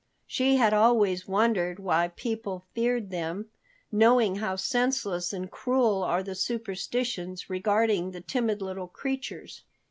She had always wondered why people feared them, knowing how senseless and cruel are the superstitions regarding the timid little creatures.